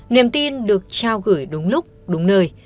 niềm tin được trao gửi đúng lúc đúng nơi